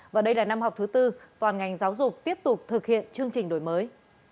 và đây là năm học thứ tư toàn ngành giáo dục tiếp tục thực hiện chương trình đổi mới